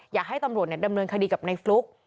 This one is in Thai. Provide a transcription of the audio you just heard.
อยากให้ตำรวจดำเนินคดีกับในฟลุ๊ก